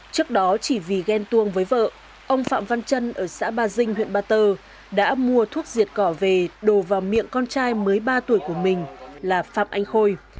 trước đó chỉ vì ghen tuông với vợ ông phạm văn trân ở xã ba dinh huyện ba tơ đã mua thuốc diệt cỏ về đồ vào miệng con trai mới ba tuổi của mình là phạm anh khôi